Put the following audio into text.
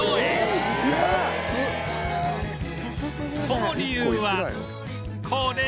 その理由はこれ